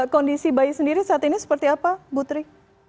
kondisi bayi sendiri saat ini seperti apa ibu teri